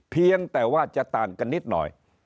เพียงแต่ว่าจะต่างกันนิดหน่อย